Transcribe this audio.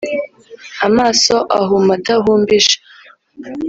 amaso ahuma atahumbije